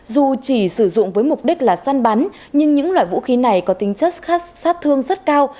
dù chỉ sử dụng với mục đích là săn bắn nhưng những loại vũ khí này có tính chất sát thương rất cao